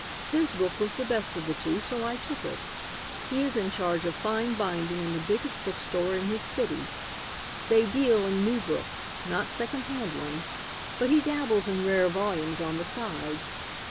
His book was the best of the two, so I took it. He is in charge of fine binding in the biggest book store in his city. They deal in new books, not secondhand ones, but he dabbles in rare volumes on the side.